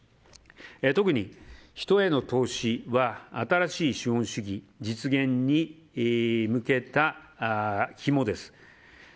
特に人への投資は新しい資本主義実現に向けた肝です。